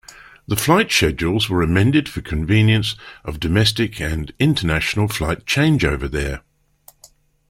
The flight schedules were amended for convenience of domestic and international flight changeover there.